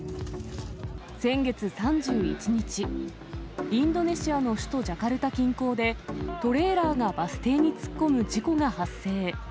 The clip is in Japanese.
先月３１日、インドネシアの首都ジャカルタ近郊で、トレーラーがバス停に突っ込む事故が発生。